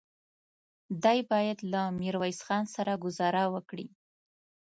دی بايد له ميرويس خان سره ګذاره وکړي.